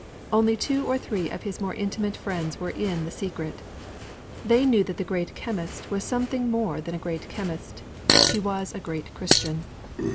Only two or three of his more intimate friends were in the secret. They knew that the great chemist was something more than a great chemist; he was a great Christian.